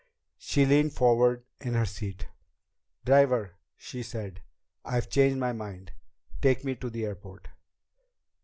She leaned forward in her seat. "Driver," she said, "I've changed my mind. Take me to the airport."